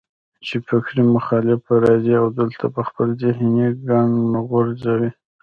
چې فکري مخالف به راځي او دلته به خپل ذهني ګند غورځوي